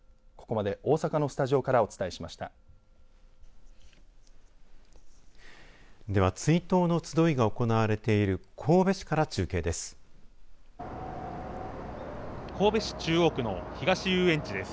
では、追悼のつどいが行われている神戸市から中継です。